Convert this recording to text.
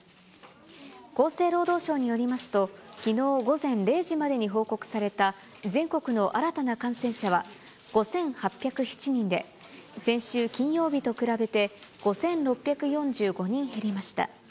厚生労働省によりますと、きのう午前０時までに報告された全国の新たな感染者は５８０７人で、先週金曜日と比べて、５６４５人減りました。